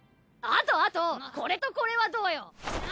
あとあとこれとこれはどうよ？